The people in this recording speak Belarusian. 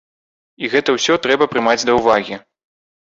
І гэта ўсё трэба прымаць да ўвагі.